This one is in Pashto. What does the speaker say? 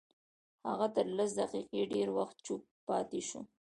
هغه تر لس دقيقې ډېر وخت چوپ پاتې شو.